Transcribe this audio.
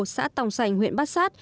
xã tòng sành huyện bát sát